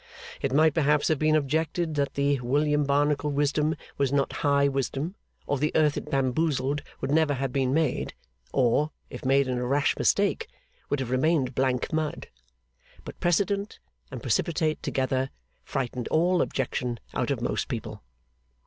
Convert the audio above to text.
It might perhaps have been objected that the William Barnacle wisdom was not high wisdom or the earth it bamboozled would never have been made, or, if made in a rash mistake, would have remained blank mud. But Precedent and Precipitate together frightened all objection out of most people.